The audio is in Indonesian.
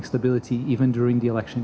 bahkan pada tahun pilihan